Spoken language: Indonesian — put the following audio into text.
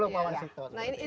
lepung barat dulu pak warsito